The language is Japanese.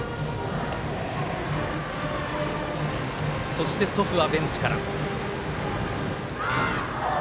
そして祖父は、ベンチから。